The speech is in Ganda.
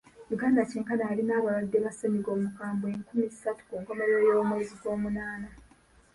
Uganda kyenkana yalina abalwadde ba ssennyiga omukambwe enkumi ssatu ku nkomerero y'omwezi gw'omunaana.